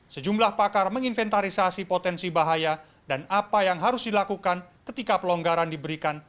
sejumlah pakar menginventarisasi potensi bahaya dan apa yang harus dilakukan ketika pelonggaran diberikan